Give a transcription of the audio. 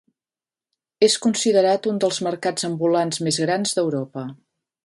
És considerat un dels mercats ambulants més grans d'Europa.